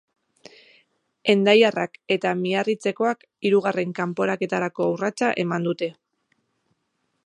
Hendaiarrak eta miarritzekoak hirugarren kanporaketarako urratsa eman dute.